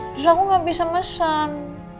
terus aku nggak bisa mesan